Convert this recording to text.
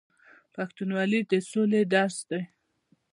پښتونولي د سولې درس دی.